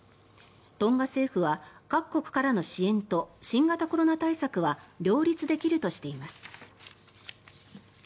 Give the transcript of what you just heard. トンガ政府は、各国からの支援と新型コロナ対策は両立できるとしています。